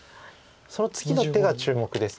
その次の手が注目です